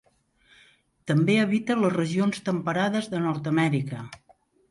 També habita les regions temperades de Nord-amèrica.